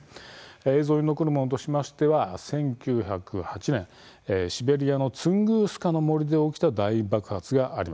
映像に残るものとしては１９０８年、シベリアのツングースカの森で起きた大爆発があります。